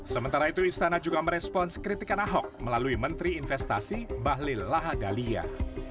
sementara itu istana juga merespons kritikan ahok melalui menteri investasi bahlil lahadalia